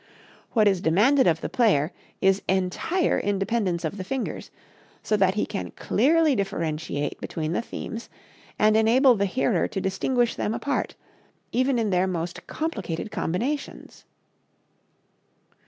What is demanded of the player is entire independence of the fingers, so that he can clearly differentiate between the themes and enable the hearer to distinguish them apart, even in their most complicated combinations.